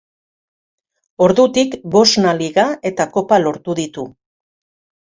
Ordutik bosna Liga eta Kopa lortu ditu.